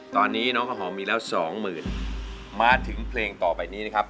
ตอนนี้น้องข้าวหอมมีแล้วสองหมื่นมาถึงเพลงต่อไปนี้นะครับ